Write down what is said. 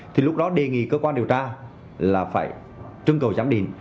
thì lúc đó đề nghị cơ quan điều tra là phải trưng cầu giám định